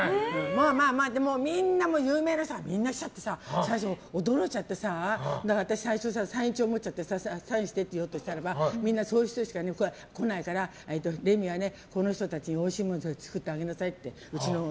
でもみんな有名な人はみんな来ちゃってさ最初、驚いちゃって最初、私サイン帳持っちゃってサインしてって言おうとしたらそういう人しか来ないからレミはこの人たちにおいしいもの作ってあげなさいって。